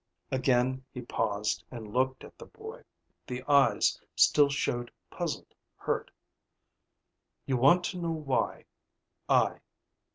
Again he paused and looked at the boy. The eyes still showed puzzled hurt. "You want to know why. I